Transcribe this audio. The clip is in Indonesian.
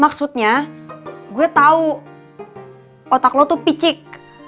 maksudnya gue tahu otak lo tuh picik